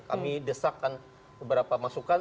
kami desakan beberapa masukan